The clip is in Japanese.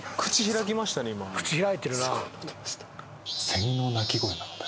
セミの鳴き声なので。